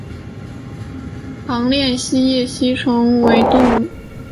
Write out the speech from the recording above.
链肠锡叶吸虫为同盘科锡叶属的动物。